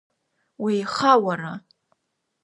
Уеиха уара…